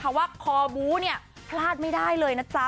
ซึ่งขอบุ๊นี่พลาดไม่ได้เลยนะจ้า